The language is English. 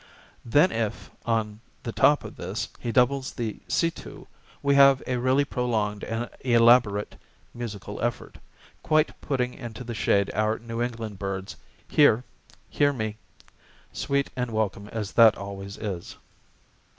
Then if, on the top of this, he doubles the see too, we have a really prolonged and elaborate musical effort, quite putting into the shade our New England bird's hear, hear me, sweet and welcome as that always is.